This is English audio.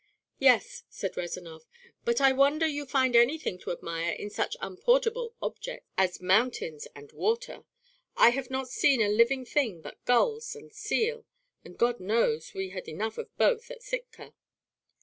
"Yes," said Rezanov. "But I wonder you find anything to admire in such unportable objects as mountains and water. I have not seen a living thing but gulls and seal, and God knows we had enough of both at Sitka."